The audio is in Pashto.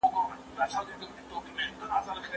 ظلم په قیامت کې توره تیاره ده.